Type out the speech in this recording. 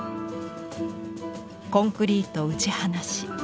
コンクリート打ち放し。